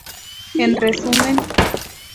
En resumen.